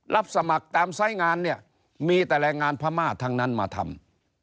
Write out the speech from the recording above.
รับสมัครตามสายงานเนี่ยมีแต่แรงงานพม่าทั้งนั้นมาทำ